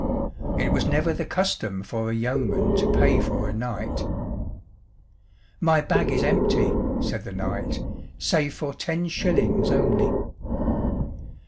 It was never the custom for a yeoman to pay for a knight." "My bag is empty," said the knight, "save for ten shillings only."